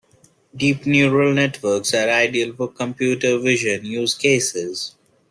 Deep Neural Networks are ideal for computer vision use cases.